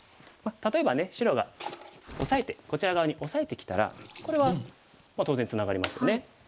例えばね白がオサえてこちら側にオサえてきたらこれはまあ当然ツナがりますよね。